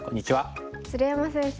鶴山先生